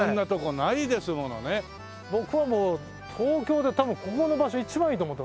僕はもう東京で多分ここの場所一番いいと思ってます。